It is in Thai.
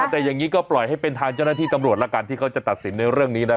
แต่อย่างนี้ก็ปล่อยให้เป็นทางเจ้าหน้าที่ตำรวจละกันที่เขาจะตัดสินในเรื่องนี้นะ